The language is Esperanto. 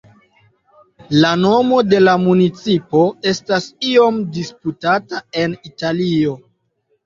La nomo de la municipo estas iom disputata en Italio.